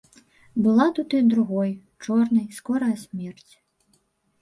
Была тут і другой, чорнай, скорая смерць.